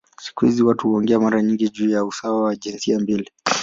Siku hizi watu huongea mara nyingi juu ya usawa wa jinsia mbili.